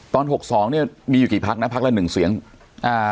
หกสองเนี้ยมีอยู่กี่พักนะพักละหนึ่งเสียงอ่า